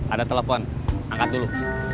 ada telepon angkat dulu